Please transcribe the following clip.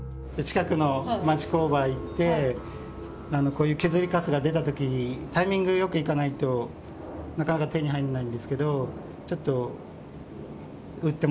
こういう削りかすが出た時にタイミングよく行かないとなかなか手に入んないんですけど。